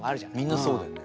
みんなそうだよね。